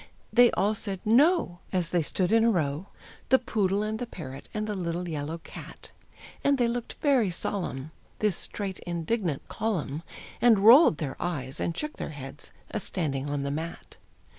They all said "No!" As they stood in a row, The poodle, and the parrot, and the little yellow cat, And they looked very solemn, This straight, indignant column, And rolled their eyes, and shook their heads, a standing on the mat.